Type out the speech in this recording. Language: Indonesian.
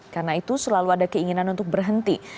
karena itu selalu ada keinginan untuk berhenti